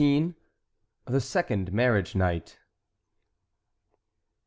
THE SECOND MARRIAGE NIGHT.